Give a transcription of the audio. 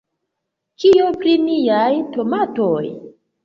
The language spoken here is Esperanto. Kio pri niaj tomatoj?